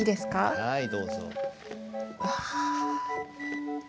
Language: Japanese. はいどうぞ。